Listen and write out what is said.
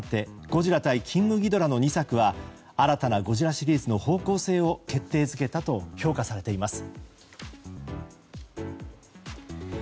「ゴジラＶＳキングギドラ」の２作は新たな「ゴジラ」シリーズの方向性を決定づけたと評価されています。